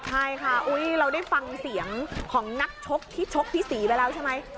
ใช่ค่ะเราได้ฟังเสียงของนักชกที่ชกที่๔ไปแล้วใช่ไหม